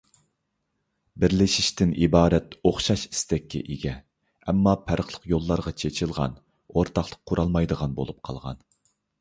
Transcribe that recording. بىرلىشىشتىن ئىبارەت ئوخشاش ئىستەككە ئىگە، ئەمما پەرقلىق يوللارغا چېچىلغان، ئورتاقلىق قۇرالمايدىغان بولۇپ قالغان.